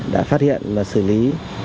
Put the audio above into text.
đã phát hiện và xử lý